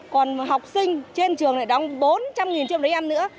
còn học sinh trên trường này đóng bốn trăm linh cho một đứa em nữa